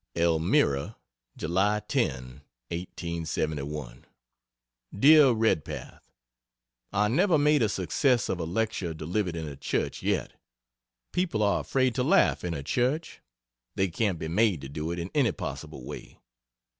ELMIRA, July 10, 1871. DEAR REDPATH, I never made a success of a lecture delivered in a church yet. People are afraid to laugh in a church. They can't be made to do it in any possible way.